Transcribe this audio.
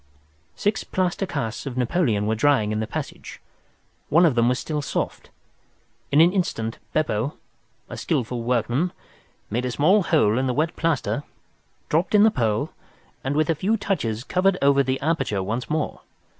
Six plaster casts of Napoleon were drying in the passage. One of them was still soft. In an instant Beppo, a skilful workman, made a small hole in the wet plaster, dropped in the pearl, and with a few touches covered over the aperture once more.